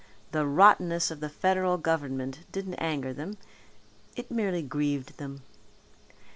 The rottenness of the federal government didn't anger them. It merely grieved them.